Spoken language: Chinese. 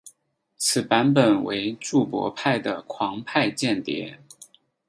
此版本为注博派的狂派间谍。